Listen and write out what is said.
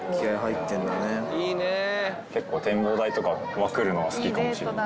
結構展望台とか来るのは好きかもしれない。